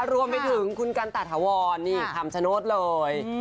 รวมไปถึงคุณกันตาถาวรนี่คำชโนธเลย